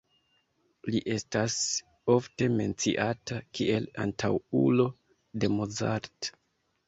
Li estas ofte menciata kiel antaŭulo de Mozart.